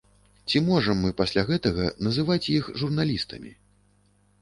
Ці можам мы пасля гэтага называць іх журналістамі?